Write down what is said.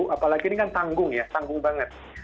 apalagi ini kan tanggung ya tanggung banget